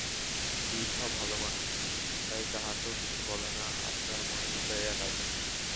বিভা ভাল মানুষ, তাই কাহাকেও কিছু বলে না, আপনার মনে লুকাইয়া কাঁদে।